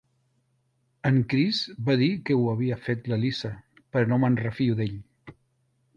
En Chris va dir que ho havia fet la Lisa, però no me'n refio d'ell.